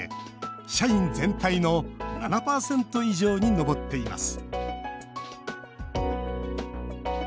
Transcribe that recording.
社員全体の７％以上に上っています